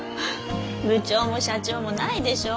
部長も社長もないでしょ？